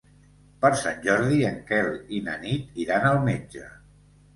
Per Sant Jordi en Quel i na Nit iran al metge.